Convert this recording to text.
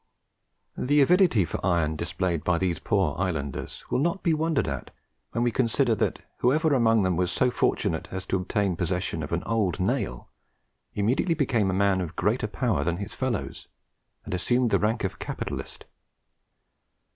The avidity for iron displayed by these poor islanders will not be wondered at when we consider that whoever among them was so fortunate as to obtain possession of an old nail, immediately became a man of greater power than his fellows, and assumed the rank of a capitalist.